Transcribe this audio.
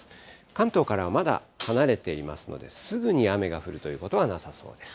関東からはまだ離れていますので、すぐに雨が降るということはなさそうです。